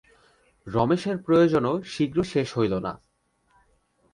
রমেশের প্রয়োজনও শীঘ্র শেষ হইল না।